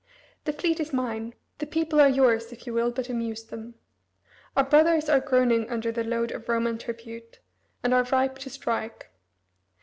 The fleet is mine, the people are yours, if you will but amuse them. Our brothers are groaning under the load of Roman tribute, and are ripe to strike.